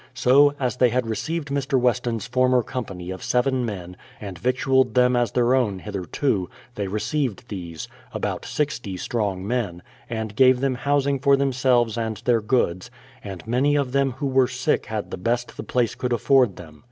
So, as they had received Mr, Weston's former company of seven men, and victualed them as their own hitherto, they received these — about sixty strong men — and gave them housing for themselves and their goods; and 106 BRADFORD'S HISTORY OF many of them who were sick had the best the place could afford them.